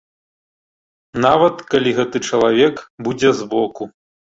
Нават калі гэты чалавек будзе збоку.